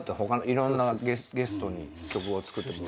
いろんなゲストに曲を作ってもらう。